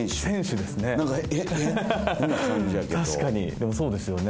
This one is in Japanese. でもそうですよね